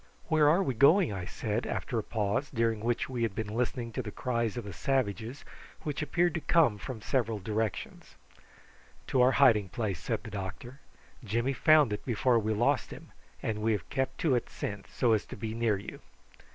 "Where are we going?" I said, after a pause, during which we had been listening to the cries of the savages, which appeared to come from several directions. "To our hiding place," said the doctor. "Jimmy found it before we lost him, and we have kept to it since, so as to be near you."